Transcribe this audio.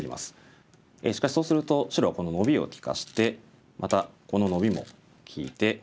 しかしそうすると白はこのノビを利かしてまたこのノビも利いて。